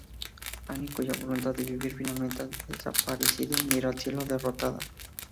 Anne, cuya voluntad de vivir finalmente ha desaparecido, mira al cielo, derrotada.